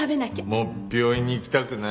もう病院に行きたくない。